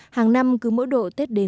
hàng năm cứ mỗi độ tết đến